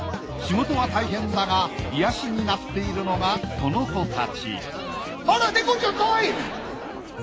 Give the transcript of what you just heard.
仕事は大変だが癒やしになっているのがこの子たちあら猫ちゃんかわいい！